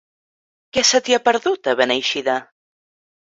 Què se t'hi ha perdut, a Beneixida?